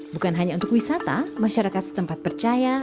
bukan hanya untuk wisata masyarakat setempat percaya